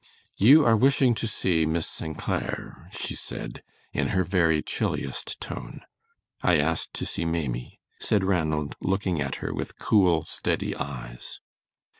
"You are wishing to see Miss St. Clair," she said, in her very chilliest tone. "I asked to see Maimie," said Ranald, looking at her with cool, steady eyes.